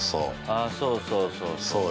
あ、そうそう、そうそう。